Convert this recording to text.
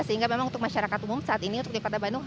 sehingga memang untuk masyarakat umum saat ini untuk di kota bandung